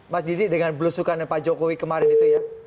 mas didi dengan belusukannya pak jokowi kemarin itu ya